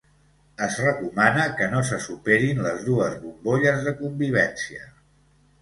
Es recomana que no se superin les dues bombolles de convivència.